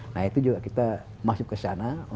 nah itu juga kita masuk ke sana